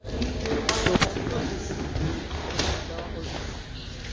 প্রপঞ্চ-সৃষ্টির কিঞ্চিৎ আভাস দেওয়া হইল।